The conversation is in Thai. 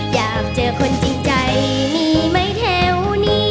อยากเจอคนจริงใจมีไหมแถวนี้